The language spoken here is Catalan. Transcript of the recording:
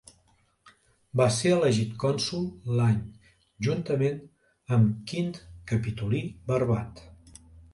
Va ser elegit cònsol l'any juntament amb Quint Capitolí Barbat.